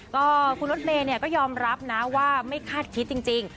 ก็คุณรถเมย์ก็ยอมรับนะว่าไม่คาดคิดจริง